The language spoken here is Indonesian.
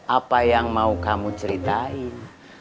apa yang mau kamu ceritain